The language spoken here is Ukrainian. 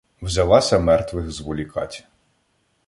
Взялася мертвих зволікать.